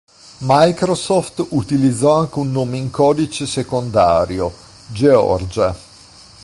Microsoft utilizzò anche un nome in codice secondario: Georgia.